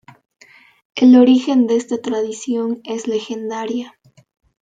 El origen de esta tradición es legendaria.